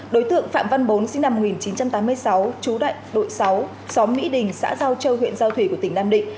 đối tượng phạm văn bốn sinh năm một nghìn chín trăm tám mươi sáu trú đại đội sáu xóm mỹ đình xã giao châu huyện giao thủy của tỉnh nam định